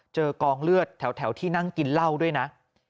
กองเลือดแถวที่นั่งกินเหล้าด้วยนะ